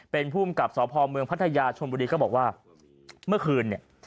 เป็นภูมิกับสพเมืองพัทยาชนบุรีก็บอกว่าเมื่อคืนเนี่ย